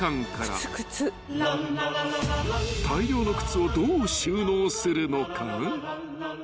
［大量の靴をどう収納するのか］